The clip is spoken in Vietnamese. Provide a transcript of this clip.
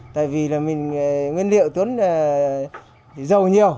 tại vì là mình nguyên liệu tuấn dầu nhiều